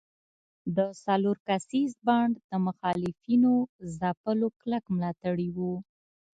د څلور کسیز بانډ د مخالفینو ځپلو کلک ملاتړي وو.